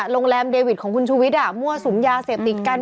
โรงแรมเดวิดของคุณชูวิทย์มั่วสุมยาเสพติดกัน